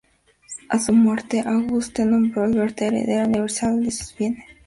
A su muerte, Auguste, nombró a Berthe heredera universal de sus bienes.